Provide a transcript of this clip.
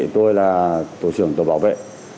tôi là tổ sưởng tổ bảo vệ